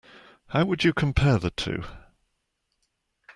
How would you compare the two?